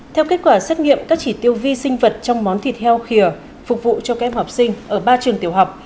theo kết quả xét nghiệm các chỉ tiêu vi sinh vật trong món thịt heo khìa phục vụ cho các em học sinh ở ba trường tiểu học